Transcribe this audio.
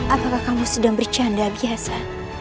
apakah kamu sedang bercanda biasa